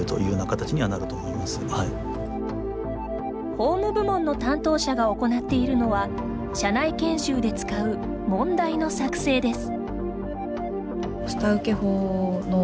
法務部門の担当者が行っているのは社内研修で使う問題の作成です。